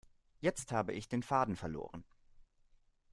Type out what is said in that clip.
Jetzt habe ich den Faden verloren.